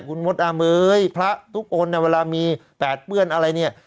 คุณมดอาเมยพระทุกคนเวลามีแปดเปื้อนอะไรเนี่ย